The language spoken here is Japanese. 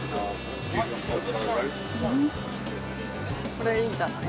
これいいんじゃない？